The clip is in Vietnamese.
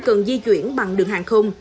cần di chuyển bằng đường hàng không